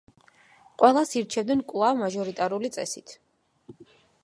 ყველას ირჩევდნენ კვლავ მაჟორიტარული წესით.